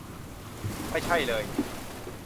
ไม่ใช่เลย